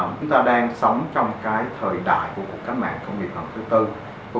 chúng ta đang sống trong thời đại của cách mạng công nghiệp lần thứ tư